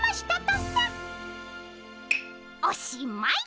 おしまい。